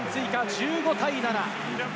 １５対７。